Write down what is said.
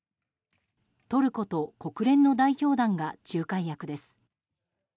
トルコと国連の代表団が仲介役です。